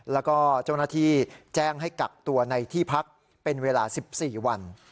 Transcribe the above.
แล้วก็เจ้าหน้าที่แจ้งให้กักตัวในที่พักเป็นเวลา๑๔วัน